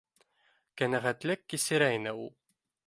Ҡәнәғәтлек кисерә ине ул